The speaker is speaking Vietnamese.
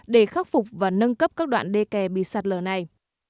để khắc phục và nâng cấp các đoạn đê kè bị sạt lở này